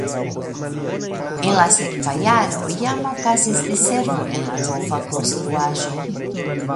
En la sekva jaro jam okazis diservo en la nova konstruaĵo.